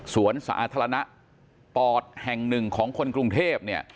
สวนสาธารณพอร์ตแห่งหนึ่งของคนกรุงเทพ